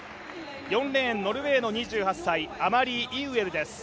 ４レーン、ノルウェーの２８歳アマリー・イウエルです。